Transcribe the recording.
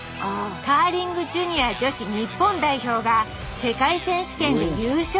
カーリングジュニア女子日本代表が世界選手権で優勝。